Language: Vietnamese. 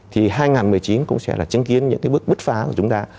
thì hai nghìn một mươi chín cũng sẽ là chứng kiến những cái bước bứt phá của chúng ta